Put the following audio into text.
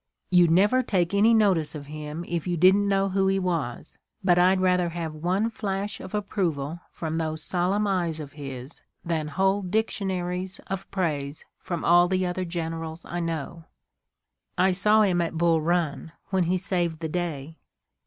You'd never take any notice of him, if you didn't know who he was, but I'd rather have one flash of approval from those solemn eyes of his than whole dictionaries of praise from all the other generals I know." "I saw him at Bull Run, when he saved the day."